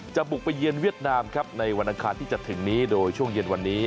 บุกไปเยือนเวียดนามครับในวันอังคารที่จะถึงนี้โดยช่วงเย็นวันนี้